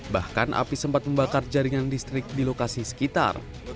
bahkan api sempat membakar jaringan listrik di lokasi sekitar